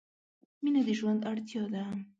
مینه د ژوند اړتیا ده.